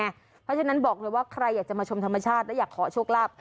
เพราะฉะนั้นบอกเลยว่าใครอยากจะมาชมธรรมชาติและอยากขอโชคลาภ